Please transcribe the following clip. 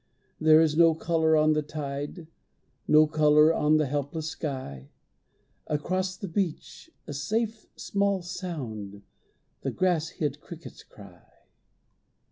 There is no color on the tide, No color on the helpless sky; Across the beach, a safe, small sound The grass hid crickets cry.